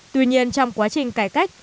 tuy nhiên trong quá trình cải cách